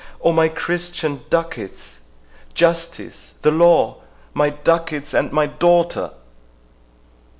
———O my Christian ducats! Justice—the Law—my ducats, and my daughter!